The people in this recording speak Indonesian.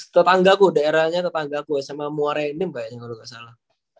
tetangga aku daerahnya tetangga aku sma muareng ini mbaknya kalau gak salah